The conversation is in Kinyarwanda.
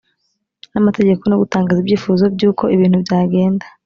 n amategeko no gutanga ibyifuzo by uko ibintu byagenda